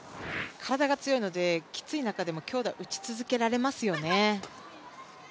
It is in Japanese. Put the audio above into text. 体が強いので苦しい中でも強打を打ち続けられますよね。